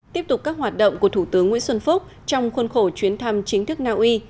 tiếp tục các hoạt động của thủ tướng nguyễn xuân phúc trong khuôn khổ chuyến thăm chính thức naui